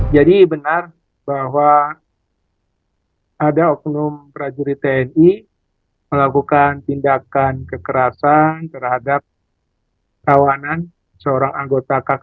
jadi benar bahwa ada oknum prajurit tni melakukan tindakan kekerasan terhadap tawanan seorang anggota kkb